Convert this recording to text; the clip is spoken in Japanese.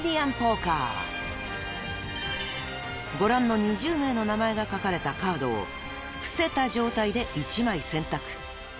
［ご覧の２０名の名前が書かれたカードを伏せた状態で１枚選択］